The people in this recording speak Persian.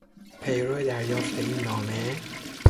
پیرو دریافت این نامه...